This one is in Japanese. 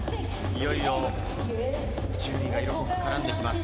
いよいよ順位が色濃く絡んできます。